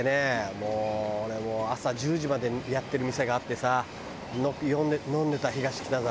もう俺も朝１０時までやってる店があってさ飲んでた東北沢。